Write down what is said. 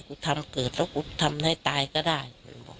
ทำเกิดแล้วกูทำให้ตายก็ได้